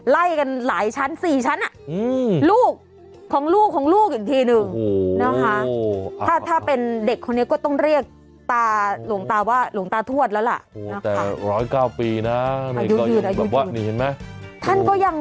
ล่าการหลายชั้นสี่ชั้นอ่ะลูกของลูกของลูกอีกทีนึงโอ้โห